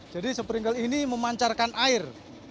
jadi sprinkle ini memancarkan air